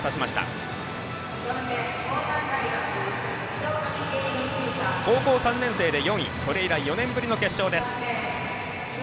井戸アビゲイル風果高校３年生で４位それ以来４年ぶりの決勝です。